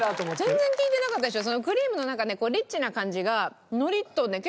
全然聞いてなかったでしょ。